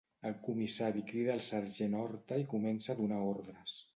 El comissari crida el sergent Horta i comença a donar ordres.